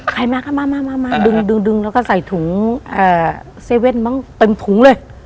ใครมาก็มามาดึงแล้วก็ใส่ถุง๗๑๑มั้งเต็มถุงเลย